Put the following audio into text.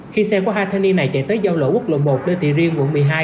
khi xe có hai thanh niên này chạy tới giao lộ quốc lộ một lê thị riêng quận một mươi hai